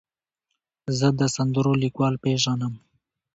زه د سندرو لیکوال پیژنم.